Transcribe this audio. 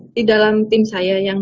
di dalam tim saya yang